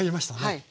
はい。